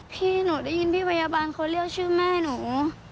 พี่หนูได้ยินพี่พยาบาลเขาเรียกชื่อแม่หนู